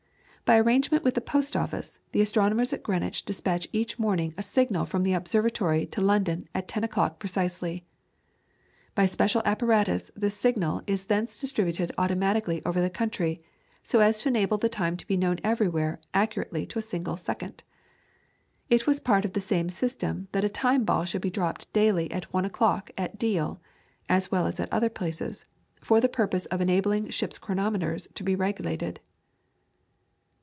By arrangement with the Post Office, the astronomers at Greenwich despatch each morning a signal from the observatory to London at ten o'clock precisely. By special apparatus, this signal is thence distributed automatically over the country, so as to enable the time to be known everywhere accurately to a single second. It was part of the same system that a time ball should be dropped daily at one o'clock at Deal, as well as at other places, for the purpose of enabling ship's chronometers to be regulated.